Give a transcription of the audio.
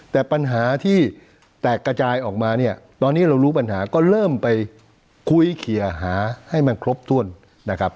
แต่ปัญหาที่แตกกระจายออกมาเนี่ยตอนนี้เรารู้ปัญหาก็เริ่มไปคุยเคลียร์หาให้มันครบถ้วนนะครับ